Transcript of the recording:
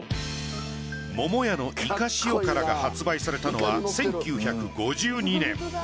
桃屋のいか塩辛が発売されたのは１９５２年。